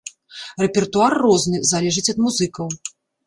Рэпертуар розны, залежыць ад музыкаў.